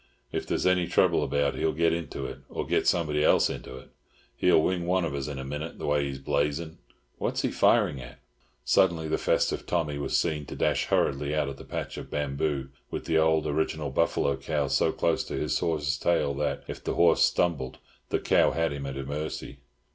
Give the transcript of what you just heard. If there's any trouble about he'll get into it, or get somebody else into it. He'll wing one of us in a minute, the way he's blazing. What's he firing at?" Suddenly the festive Tommy was seen to dash hurriedly out of the patch of bamboo, with the old original buffalo cow so close to his horse's tail that, if the horse stumbled, the cow had him at her mercy.